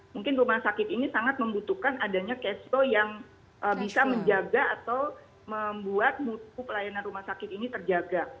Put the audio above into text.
mungkin rumah sakit ini sangat membutuhkan adanya cash flow yang bisa menjaga atau membuat mutu pelayanan rumah sakit ini terjaga